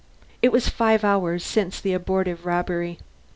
It was five hours since the abortive robbery.